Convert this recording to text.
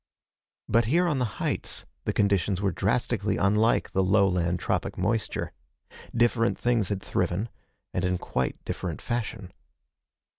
But here on the heights the conditions were drastically unlike the lowland tropic moisture. Different things had thriven, and in quite different fashion.